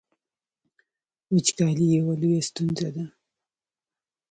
وچکالي یوه لویه ستونزه ده